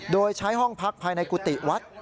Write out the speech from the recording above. โดยใช้ห้องพักภายในกุฏิวัด